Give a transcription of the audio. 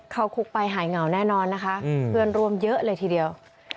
เข้าคุกไปหายเหงาแน่นอนนะคะเพื่อนร่วมเยอะเลยทีเดียว